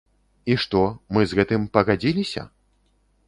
І што, мы з гэтым пагадзіліся?